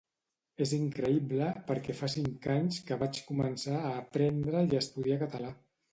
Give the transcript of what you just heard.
És increïble perquè fa cinc anys que vaig començar a aprendre i estudiar català